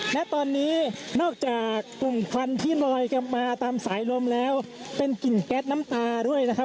ณตอนนี้นอกจากกลุ่มควันที่ลอยกลับมาตามสายลมแล้วเป็นกลิ่นแก๊สน้ำตาด้วยนะครับ